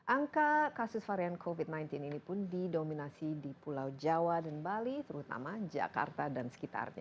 angka kasus varian covid sembilan belas ini pun didominasi di pulau jawa dan bali terutama jakarta dan sekitarnya